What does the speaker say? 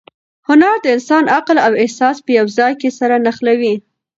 هنر د انسان عقل او احساس په یو ځای کې سره نښلوي.